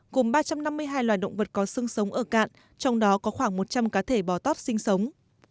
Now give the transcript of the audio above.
gồm ba trăm năm mươi hai loài động vật có sương sống ở cạn trong đó có khoảng một trăm linh cá thể bò tóp sinh sống